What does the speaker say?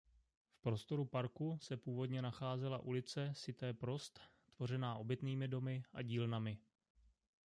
V prostoru parku se původně nacházela ulice "Cité Prost" tvořená obytnými domy a dílnami.